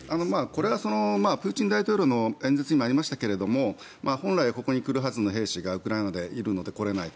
これはプーチン大統領の演説にもありましたが本来、ここに来るはずの兵士がウクライナにいるので来れない。